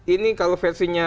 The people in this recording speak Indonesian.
ini kalau versinya